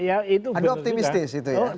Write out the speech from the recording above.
ada optimistis itu ya